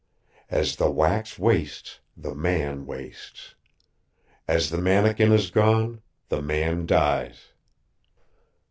"As the wax wastes, the man wastes! As the mannikin is gone, the man dies!